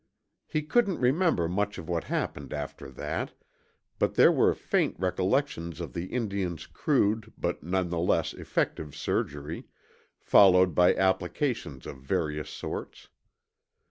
He couldn't remember much of what happened after that, but there were faint recollections of the Indian's crude but nonetheless effective surgery, followed by applications of various sorts.